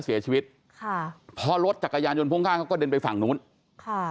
เสียชีวิตค่ะพอรถจักรยานยนต์พ่วงข้างเขาก็เด็นไปฝั่งนู้นค่ะ